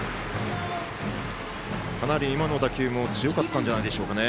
かなり今の打球も強かったんじゃないでしょうか。